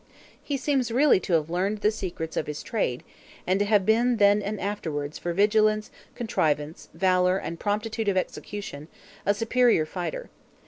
He seems really to have learned the secrets of his trade, and to have been, then and afterwards, for vigilance, contrivance, valor, and promptitude of execution, a superior fighter.